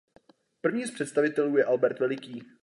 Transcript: První z představitelů je Albert Veliký.